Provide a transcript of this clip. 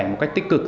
một cách tích cực